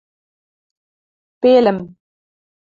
Пелӹм...